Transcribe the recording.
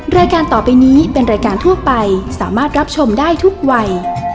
รายการต่อไปนี้เป็นรายการทั่วไปสามารถรับชมได้ทุกวัย